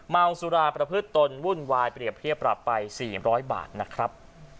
เมาสุราประพฤติตนวุ่นวายเปรียบเทียบปรับไป๔๐๐บาทนะครับ